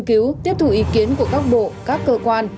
với thủ ý kiến của các bộ các cơ quan